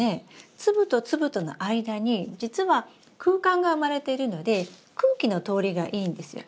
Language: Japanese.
粒と粒との間に実は空間が生まれてるので空気の通りがいいんですよ。